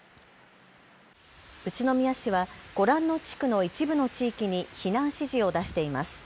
宇都宮市はご覧の地区の一部の地域に避難指示を出しています。